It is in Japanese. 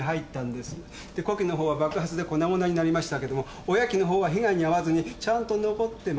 で子機のほうは爆発で粉々になりましたけども親機のほうは被害に遭わずにちゃんと残ってました。